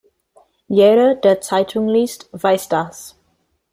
Jeder, der Zeitung liest, weiß das.